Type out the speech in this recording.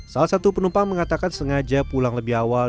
salah satu penumpang mengatakan sengaja pulang lebih awal